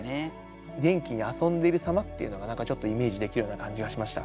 元気に遊んでいる様っていうのが何かちょっとイメージできるような感じがしました。